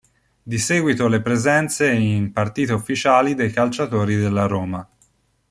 Di seguito le presenze in partite ufficiali dei calciatori della Roma.